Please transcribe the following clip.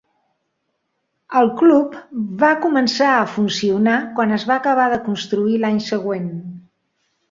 El club va començar a funcionar quan es va acabar de construir l'any següent.